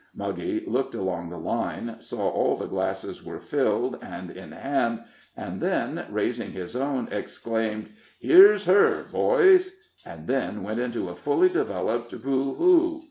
Muggy looked along the line, saw all the glasses were filled and in hand, and then, raising his own, exclaimed, "Here's her, boys!" and then went into a fully developed boo hoo.